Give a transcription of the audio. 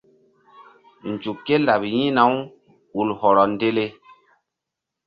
Nzuk ké laɓ yi̧hna-u ul hɔrɔ ndele.